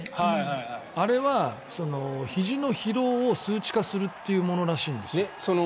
あれはひじの疲労を数値化するというものらしいんです。